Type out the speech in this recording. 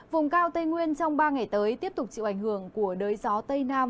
vùng cao tây nguyên trong ba ngày tới tiếp tục chịu ảnh hưởng của đới gió tây nam